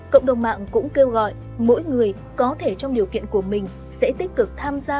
cộng đồng mạng cũng kêu gọi mỗi người có thể trong điều kiện của mình sẽ tích cực tham gia